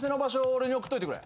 俺に送っといてくれ。